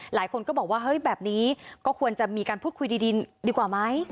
หลายคนก็บอกว่าเฮ้ยแบบนี้ก็ควรจะมีการพูดคุยดีดีกว่าไหม